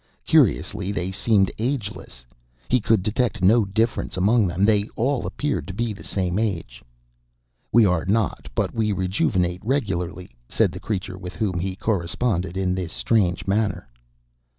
Curiously, they seemed ageless; he could detect no difference among them all appeared to be the same age. "We are not, but we rejuvenate regularly," said the creature with whom he corresponded in this strange manner.